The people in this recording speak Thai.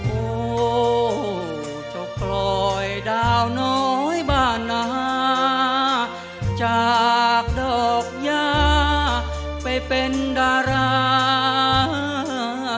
โอ้โหจะปล่อยดาวน้อยบ้านนาจากดอกยาไปเป็นดารา